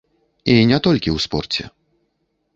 І не толькі ў спорце.